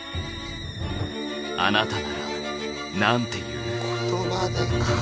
あなたならなんて言う？